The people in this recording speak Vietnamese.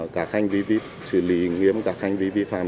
các hành vi vi phạm xử lý nghiêm các hành vi vi phạm